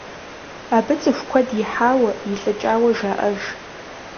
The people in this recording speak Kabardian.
Абы цӀыху куэд ихьауэ, илӀыкӀауэ жаӀэж.